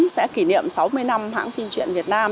sẽ kỷ niệm sáu mươi năm hãng phim truyện việt nam